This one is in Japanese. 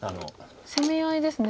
攻め合いですね。